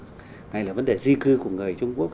hay là vấn đề di cư của người trung quốc